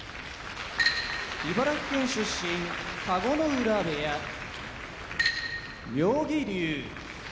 茨城県出身田子ノ浦部屋妙義龍